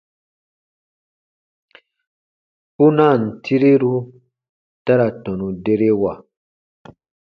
Kpunaan tireru ta ra tɔnu derewa.